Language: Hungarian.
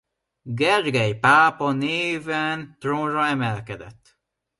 Gergely pápa néven trónra emelkedett.